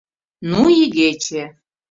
— Ну, игече!..